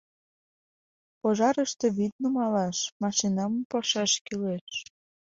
Пожарыште вӱд нумалаш, машинам пошаш кӱлеш.